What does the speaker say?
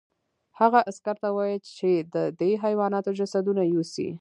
هغه عسکر ته وویل چې د دې حیواناتو جسدونه یوسي